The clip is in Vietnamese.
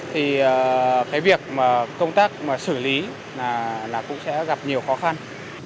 thì cái việc mà công tác mà xử lý là cũng sẽ gặp nhiều khó khăn